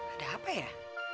ada apa ya